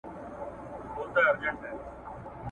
صنعتي اوښتون ورته د پرمختګ لاري پرانستلې